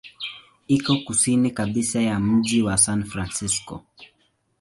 Iko kusini kabisa ya mji wa San Francisco.